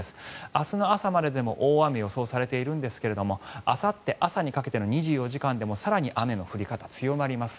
明日の朝まででも大雨が予想されているんですがあさって朝にかけての２４時間でも更に雨の降り方は強まります。